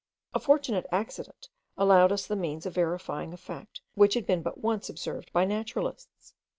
A fortunate accident allowed us the means of verifying a fact which had been but once observed by naturalists.